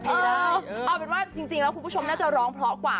เออเอาเป็นว่าคุณผู้ชมน่าจะร้องเพราะกว่า